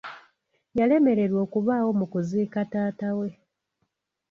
Yalemererwa okubaawo mu kuziika taata we.